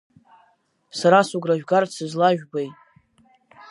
Сара сыгәра жәгартә сызлажәбеи?